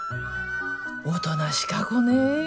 おとなしか子ね。